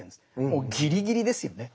もうギリギリですよね。